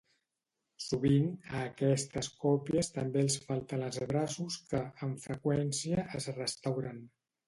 Sovint, a aquestes còpies també els falten els braços que, amb freqüència, es restauren.